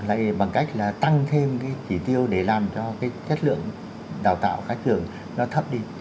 lại bằng cách là tăng thêm cái chỉ tiêu để làm cho cái chất lượng đào tạo các trường nó thấp đi